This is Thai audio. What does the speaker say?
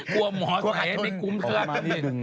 กลัวหมอใส่ให้ไม่กลุ้มเครื่อง